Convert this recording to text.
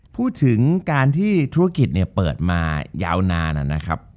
พูดถึงการที่ธุรกิจเปิดมายาวนานนะครับ